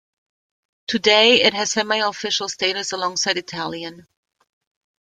Today it has semi-official status alongside Italian.